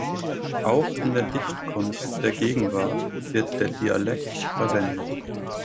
Auch in der Dichtkunst der Gegenwart wird der Dialekt verwendet.